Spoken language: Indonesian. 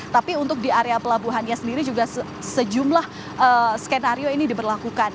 tapi untuk di area pelabuhannya sendiri juga sejumlah skenario ini diberlakukan